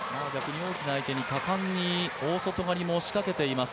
大きな相手に果敢に大外刈りも仕掛けています。